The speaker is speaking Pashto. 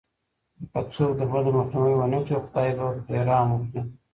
که څوک د بدو مخنيوی ونه کړي، خداي به پرې رحم وکړي.